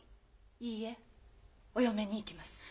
いいえお嫁に行きます。